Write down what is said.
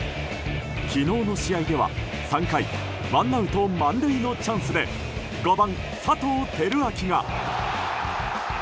昨日の試合では３回ワンアウト満塁のチャンスで５番、佐藤輝明が。